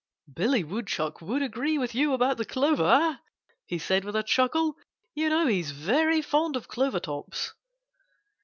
"Billy Woodchuck would agree with you about the clover," he said with a chuckle. "You know he's very fond of clover tops."